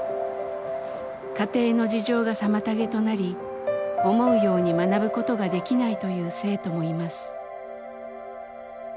家庭の事情が妨げとなり思うように学ぶことができないという生徒もいます。